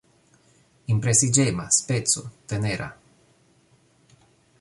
Impresiĝema, speco, tenera.